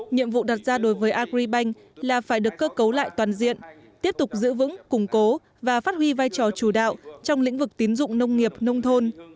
nhiệm vụ đặt ra đối với agribank là phải được cơ cấu lại toàn diện tiếp tục giữ vững củng cố và phát huy vai trò chủ đạo trong lĩnh vực tín dụng nông nghiệp nông thôn